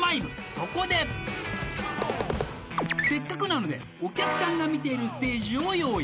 そこでせっかくなのでお客さんが見ているステージを用意